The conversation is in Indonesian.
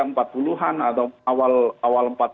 empat puluh an atau awal